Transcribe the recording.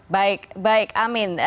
baik baik amin